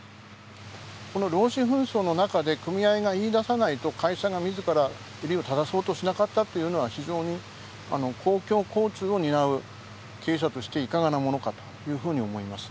この労使紛争の中で組合が言いださないと会社が自ら襟を正そうとしなかったっていうのは非常に公共交通を担う経営者としていかがなものかというふうに思います。